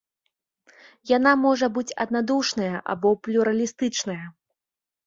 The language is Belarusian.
Яна можа быць аднадушная або плюралістычная.